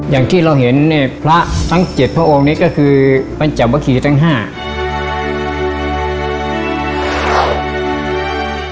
อย่างที่เราเห็นพระจำ๗พระองค์ก็คือเป็นจำเมียนมาขี่๑พีช๕